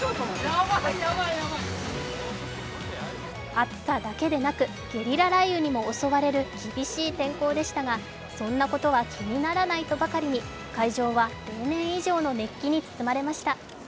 暑さだけでなくゲリラ豪雨にも襲われる厳しい天候でしたが、そんなことは気にならないとばかりに会場は例年以上の熱気に包まれました。